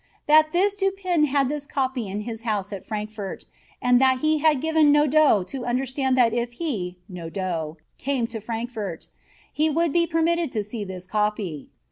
That this Du Pin had this copy in his house at Frankfort, and that he had given Nodot to understand that if he (Nodot) came to Frankfort, he would be permitted to see this copy.